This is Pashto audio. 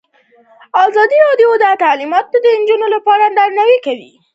ازادي راډیو د تعلیمات د نجونو لپاره د نړیوالو نهادونو دریځ شریک کړی.